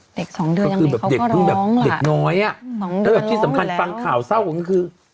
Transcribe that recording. เด็กสองเดือนยังไหนเขาก็ร้องล่ะเด็กน้อยอ่ะที่สำคัญฟังข่าวเศร้าคือ